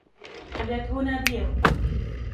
فَلْيَدْعُ نَادِيَهُ